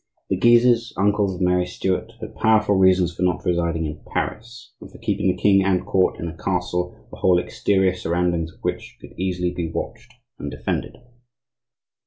The Guises, uncles of Mary Stuart, had powerful reasons for not residing in Paris and for keeping the king and court in a castle the whole exterior surroundings of which could easily be watched and defended.